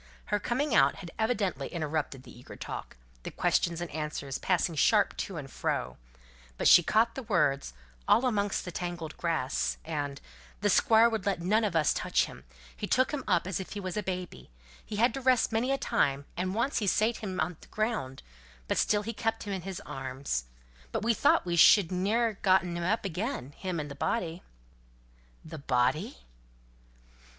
Her coming out had evidently interrupted the eager talk, the questions and answers passing sharp to and fro; but she caught the words, "all amongst the tangled grass," and "the Squire would let none on us touch him: he took him up as if he was a baby; he had to rest many a time, and once he sate him down on the ground; but still he kept him in his arms; but we thought we should ne'er have gotten him up again him and the body." "The body!"